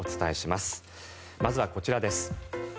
まずはこちらです。